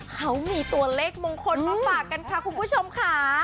เขามีตัวเลขมงคลมาฝากกันค่ะคุณผู้ชมค่ะ